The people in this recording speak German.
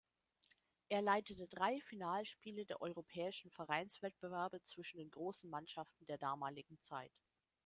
Er leitete drei Finalspiele der Europäischen Vereinswettbewerbe zwischen den großen Mannschaften der damaligen Zeit.